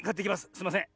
すいません。